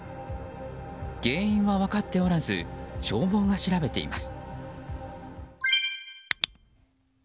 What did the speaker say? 原因は分かっておらず消防が調べています。